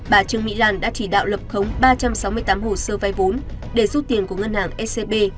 bà trương mỹ lan đã chỉ đạo lập khống ba trăm sáu mươi tám hồ sơ vay vốn để rút tiền của ngân hàng scb